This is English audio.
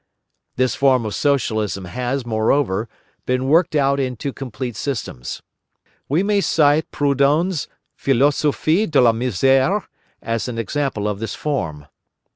This form of Socialism has, moreover, been worked out into complete systems. We may cite Proudhon's Philosophie de la Misère as an example of this form.